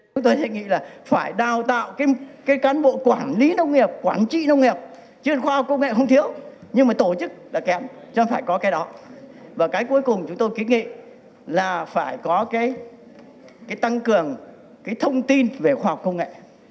chúng tôi sẽ nghĩ là phải đào tạo cái cán bộ quản lý nông nghiệp quản trị nông nghiệp chuyên khoa công nghệ không thiếu nhưng mà tổ chức đã kém cho nên phải có cái đó và cái cuối cùng chúng tôi ký nghị là phải có cái tăng cường cái thông tin về khoa học công nghệ